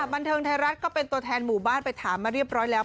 บันเทิงไทยรัฐก็เป็นตัวแทนหมู่บ้านไปถามมาเรียบร้อยแล้ว